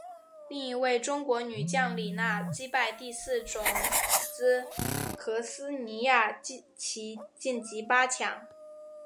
另一位中国女将李娜击败第四种籽禾丝妮雅琪晋级八强。